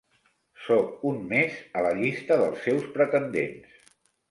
Soc un més a la llista dels seus pretendents.